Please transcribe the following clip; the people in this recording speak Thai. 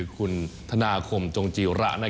คุณธนาคมจงจีระ